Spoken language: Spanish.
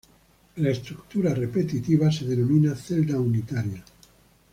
La estructura repetitiva se denomina celda unitaria.